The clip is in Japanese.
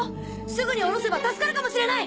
すぐに降ろせば助かるかもしれない！